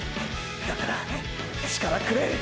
だから力くれ！！